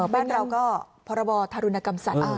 บ้านเราก็พรบธารุณกรรมสัตว์